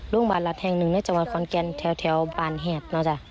โรงพยาบาลรัดแห่ง๑ในจังหวัดขอนแกนแถวบานแห่ด